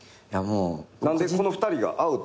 何でこの２人が合うと？